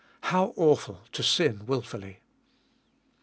How awful to sin wilfully.